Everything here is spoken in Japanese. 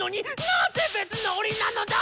なぜ別の檻なのだ！